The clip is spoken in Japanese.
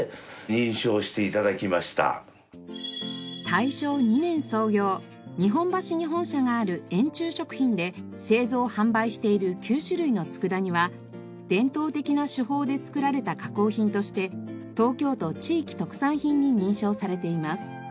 大正２年創業日本橋に本社がある遠忠食品で製造販売している９種類の佃煮は伝統的な手法で作られた加工品として東京都地域特産品に認証されています。